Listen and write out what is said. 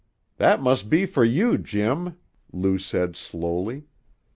"That must be for you, Jim," Lou said slowly.